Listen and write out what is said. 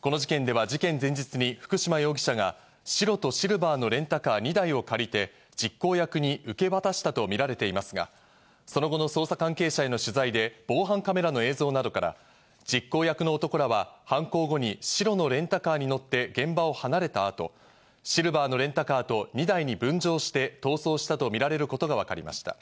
この事件では事件前日に福島容疑者が白とシルバーのレンタカー２台を借りて実行役に受け渡したとみられていますが、その後の捜査関係者への取材で、防犯カメラの映像などから実行役の男らは犯行後に白のレンタカーに乗って現場を離れた後、シルバーのレンタカーと２台に分乗して逃走したとみられることがわかりました。